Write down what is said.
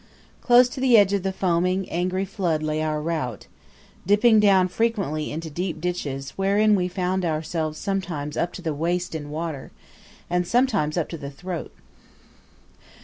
Close to the edge of the foaming, angry flood lay our route, dipping down frequently into deep ditches, wherein we found ourselves sometimes up to the waist in water, and sometimes up to the throat.